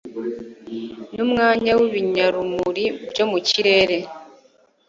n'umwanya w'ibinyarumuri byo mu kirere